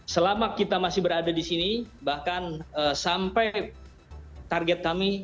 selama kita masih berada di sini bahkan sampai target kami